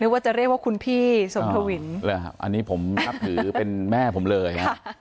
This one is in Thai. ว่าจะเรียกว่าคุณพี่สมทวินอันนี้ผมนับถือเป็นแม่ผมเลย